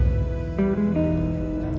ini terlalu buang waktu pak